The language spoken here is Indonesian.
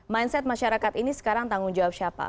mindset masyarakat ini sekarang tanggung jawab siapa